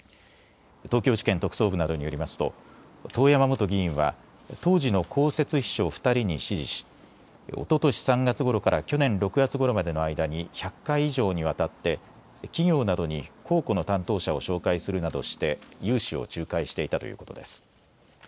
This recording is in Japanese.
東京地検特捜部などによりますと遠山元議員は当時の公設秘書２人に指示し、おととし３月ごろから去年６月ごろまでの間に１００回以上にわたって企業などに公庫の担当者を紹介するなどして融資を仲介していたということです。